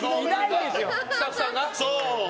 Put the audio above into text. スタッフさんがね。